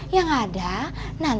yang ini betulan